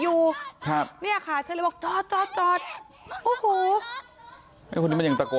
อยู่ครับเนี่ยค่ะเธอเลยบอกจอดจอดโอ้โหไอ้คนนี้มันยังตะโกน